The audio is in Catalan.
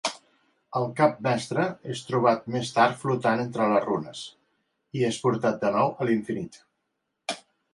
El cap mestre és trobat més tard flotant entre les runes, i és portat de nou a l'"infinit".